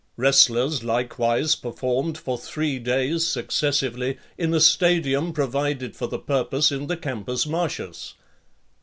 Wrestlers likewise performed for three days successively, in a stadium provided for the purpose in the Campus Martius.